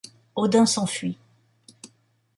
Audin s'enfuit.